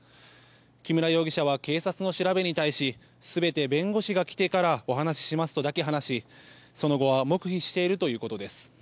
木村容疑者は、警察の調べに対し全て弁護士が来てからお話ししますとだけ話しその後は黙秘しているということです。